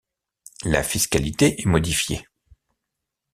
La fiscalité est modifiée.